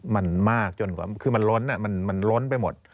มันมากจนกว่าคือมันล้นมันล้นไปหมด